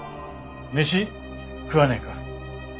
飯食わねえか？